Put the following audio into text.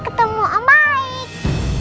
ketemu om baik